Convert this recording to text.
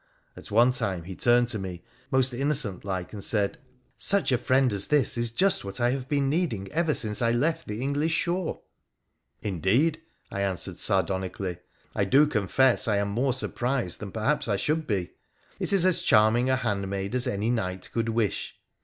At one time he turned to me most innocent like and said —' Such a friend as this is just what I have been needing ever since I left the English shore.' 'Indeed !' I answered, sardonically, ' I do confess I am more surprised than perhaps I should be. It is as charming a handmaid as any knight could wish.